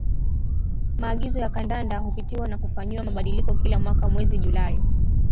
Maagizo ya Kandanda hupitiwa na kufanyiwa mabadiliko kila mwaka Mwezi Julai